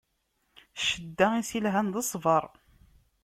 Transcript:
Ccedda, i s-ilhan, d ṣṣbeṛ.